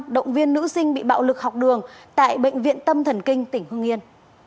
động viên nữ sinh bị bạo lực học đường tại bệnh viện tâm thần kinh tỉnh hưng nghiên